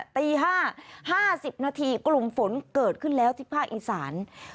ตี๕๕๐นาทีกลุ่มฝนเกิดขึ้นแล้วที่ภาคอีสาน